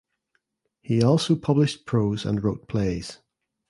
He also published prose and wrote plays.